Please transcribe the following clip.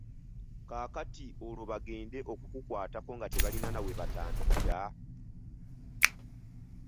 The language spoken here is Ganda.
Kaakati olwo bagende okukukwatako nga tebalina nawebatandikira.